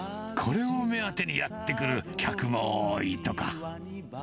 これを目当てにやって来る客も多いとか。